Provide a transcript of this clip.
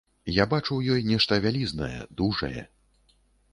Я бачу ў ёй нешта вялізнае, дужае.